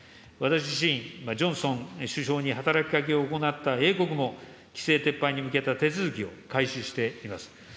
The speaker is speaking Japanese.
私自身、ジョンソン首相に働きかけを行った英国も、規制撤廃に向けた手続きを開始しています。